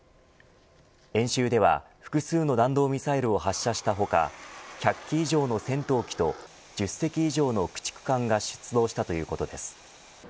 演習では複数の弾道ミサイルを発射した他１００機以上の戦闘機と１０隻以上の駆逐艦が出動したということです。